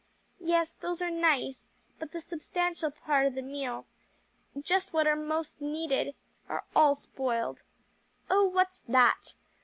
"Yes, those are nice, but the substantial of the meal just what are most needed are all spoiled. Oh what's that?"